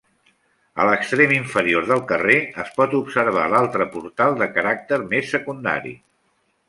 A l'extrem inferior del carrer es pot observar l'altre portal de caràcter més secundari.